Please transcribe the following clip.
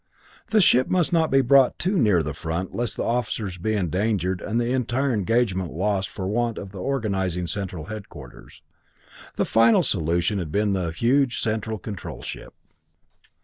The ship must not be brought too near the front lest the officers be endangered and the entire engagement lost for want of the organizing central headquarters. The final solution had been the huge central control ship.